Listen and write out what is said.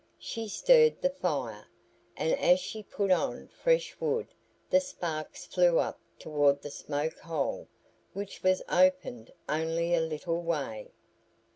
She stirred the fire, and as she put on fresh wood the sparks flew up toward the smoke hole, which was opened only a little way.